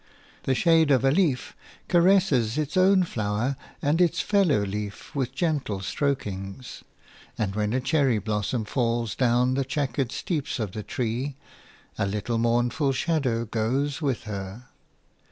The shade of a leaf caresses its own flower and its fellow leaf with gentle strokings; and when a cherry blossom falls down the chequered steeps of the tree, a little mournful shadow goes with her.